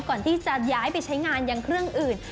ก่อนที่จะย้ายไปใช้งานยังเครื่องอื่น